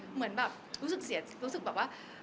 เหมือนแบบรู้สึกเสียรู้สึกแบบว่า